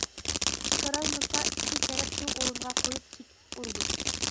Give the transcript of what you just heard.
چىقىرالمىسا، ئىككى تەرەپ شۇ ئورۇنغا قويۇپ چېكىپ ئۇرىدۇ.